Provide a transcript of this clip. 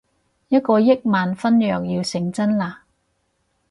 一個億萬婚約要成真喇